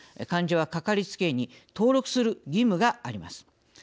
患者はかかりつけ医に登録する義務があります。